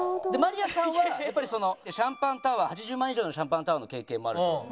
でマリアさんはやっぱりシャンパンタワー８０万円以上のシャンパンタワーの経験もあると。